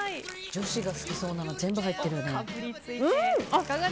女子が好きそうなの全部入ってるよね。